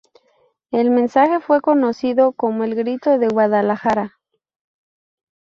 El mensaje fue conocido como el "Grito de Guadalajara".